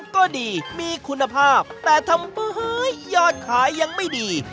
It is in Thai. ก็ดีมีคุณภาพแต่ทำไมยอดขายยังไม่ดี